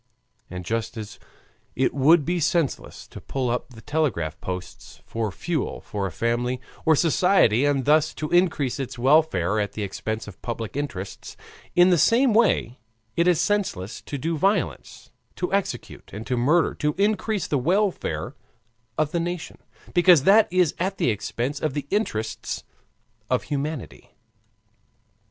And just as it would be senseless to pull up the telegraph posts for fuel for a family or society and thus to increase its welfare at the expense of public interests, in the same way it is senseless to do violence, to execute, and to murder to increase the welfare of the nation, because that is at the expense of the interests of humanity.